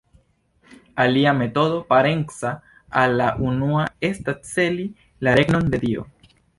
Alia metodo, parenca al la unua, estas celi la regnon de Dio.